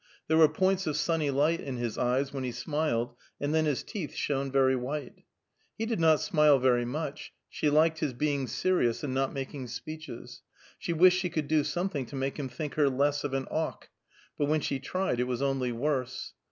There were points of sunny light in his eyes, when he smiled, and then his teeth shone very white. He did not smile very much; she liked his being serious and not making speeches; she wished she could do something to make him think her less of an auk, but when she tried, it was only worse.